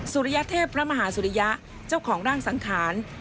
สุริยเทพพระมหาสุริยะเจ้าของร่างสังขาร